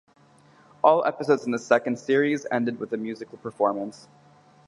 All episodes in the second series ended with a musical performance.